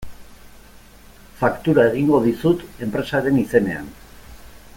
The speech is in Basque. Faktura egingo dizut enpresaren izenean.